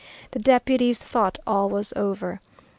The deputies thought all was over.